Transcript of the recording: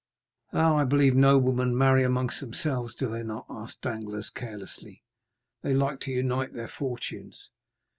"Ah, I believe noblemen marry amongst themselves, do they not?" asked Danglars carelessly; "they like to unite their fortunes."